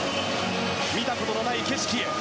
見たことのない景色へ。